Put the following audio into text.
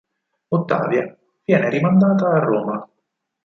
Ottavia viene rimandata a Roma.